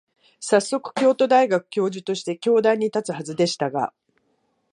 さっそく、京都大学教授として教壇に立つはずでしたが、